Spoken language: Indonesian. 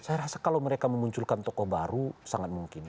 saya rasa kalau mereka memunculkan tokoh baru sangat mungkin